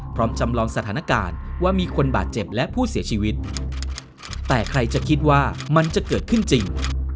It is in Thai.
จำลองสถานการณ์ว่ามีคนบาดเจ็บและผู้เสียชีวิตแต่ใครจะคิดว่ามันจะเกิดขึ้นจริง